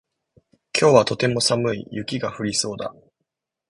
今日はとても寒い。雪が降りそうだ。